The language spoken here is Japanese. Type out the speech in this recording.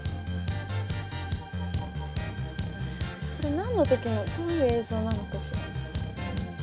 これ何の時のどういう映像なのかしら？